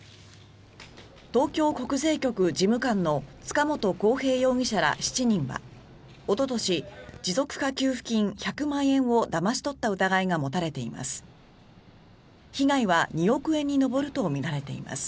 東京国税局事務官の塚本晃平容疑者ら７人はおととし持続化給付金１００万円をだまし取った疑いが持たれています。